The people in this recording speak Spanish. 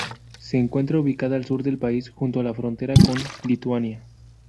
Se encuentra ubicada al sur del país, junto a la frontera con Lituania.